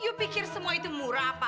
you pikir semua itu murah apa